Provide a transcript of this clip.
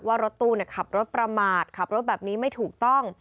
ว่ารถตู้ขับรถประมาทขับรถแบบนี้ไม่ถูกต้อง